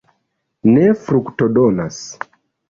ne fruktodonas.